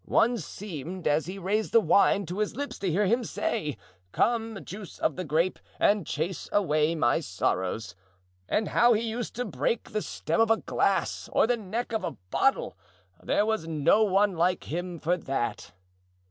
One seemed, as he raised the wine to his lips, to hear him say, 'Come, juice of the grape, and chase away my sorrows.' And how he used to break the stem of a glass or the neck of a bottle! There was no one like him for that."